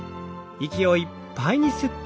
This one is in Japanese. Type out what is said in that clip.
息をいっぱいに吸って。